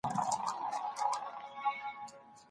هيچا ته اجازه نسته چي په مرکه کي درواغ ووايي.